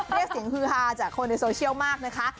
เรียกเสียงฮือฮาจากคนในโซเชียลมากนะคะ